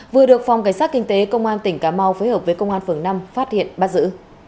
vừa được phòng cảnh sát kinh tế công an tỉnh cà mau phối hợp với công an phường năm phát hiện bắt giữ